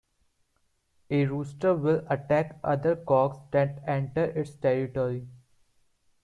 A rooster will attack other cocks that enter its territory.